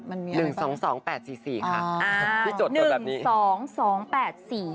มันมีอะไรป่ะค่ะที่จดตัวแบบนี้อ้าว